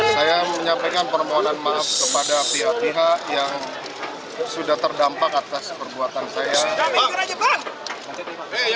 saya menyampaikan permohonan maaf kepada pihak pihak yang sudah terdampak atas perbuatan saya